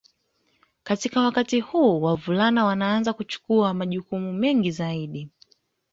Katika wakati huu wavulana wanaanza kuchukua majukumu mengi zaidi